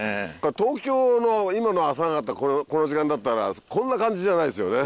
東京の今の朝方この時間だったらこんな感じじゃないですよね？